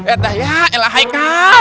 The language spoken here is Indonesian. eh elah hai kau